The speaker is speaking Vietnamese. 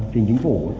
tỉnh chính phủ